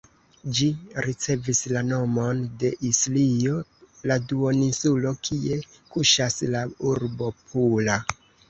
Ĝi ricevis la nomon de Istrio, la duoninsulo kie kuŝas la urbo Pula.